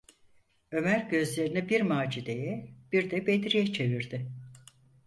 Ömer gözlerini bir Macide’ye, bir de Bedri’ye çevirdi.